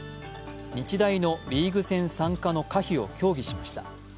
日大のリーグ戦参加の可否を協議しました。